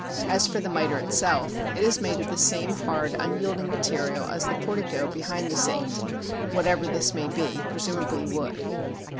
As for the mitre itself, it is made of the same hard unyielding material as the portico behind the saint, whatever this may be, presumably wood.